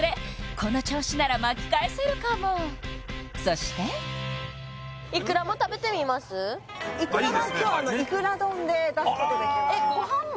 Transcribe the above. この調子なら巻き返せるかもそして・いくらも今日いくら丼で出すことできますえご飯も？